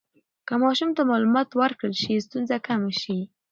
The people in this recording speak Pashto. که ماشوم ته معلومات ورکړل شي، ستونزه کمه شي.